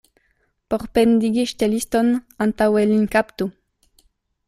Por pendigi ŝteliston, antaŭe lin kaptu.